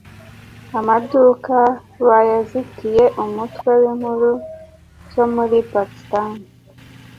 amaduka bayazitiye", umutwe w'inkuru cyo muri Pakisitani.